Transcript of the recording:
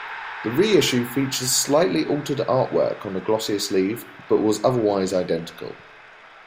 The reissue featured slightly altered artwork on a glossier sleeve, but was otherwise identical.